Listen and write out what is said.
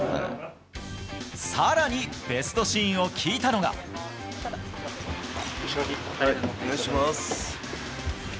さらにベストシーンを聞いたお願いします。